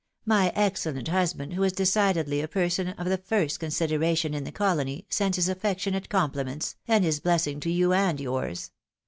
My excellent husband, who is decidedly a person of the first consideration iu the colony, sends his affectionate comphments, and his blessing to you and yours.